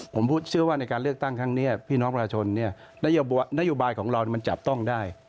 ผมเชื่อว่าในการเลือกตั้งครั้งนี้พี่น้องประชาชนนโยบายของเรามันจับต้องได้